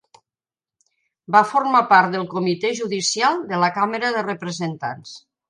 Va formar part del Comitè Judicial de la Càmera de Representants.